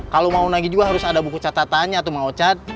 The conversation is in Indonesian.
kalau mau nagih juga harus ada buku catatannya tuh mau cat